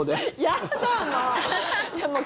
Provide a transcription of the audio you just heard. やだもう！